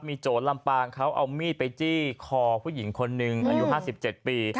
มีโจรลำปางเขาเอามีดไปจี้คอผู้หญิงคนหนึ่งอายุ๕๗ปี